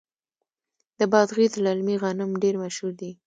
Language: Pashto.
د بادغیس للمي غنم ډیر مشهور دي.